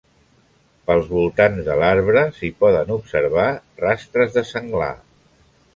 Pels voltants de l'arbre s'hi poden observar rastres de senglar.